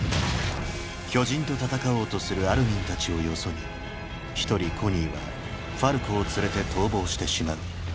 巨人と戦おうとするアルミンたちをよそに一人コニーはファルコを連れて逃亡してしまう。